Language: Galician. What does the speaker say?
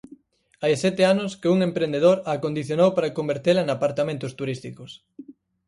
Hai sete anos que un emprendedor a acondicionou para convertela en apartamentos turísticos.